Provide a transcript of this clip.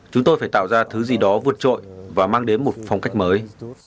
chúng tôi phải tạo ra thứ gì đó vượt trội và mang đến một phong cách mới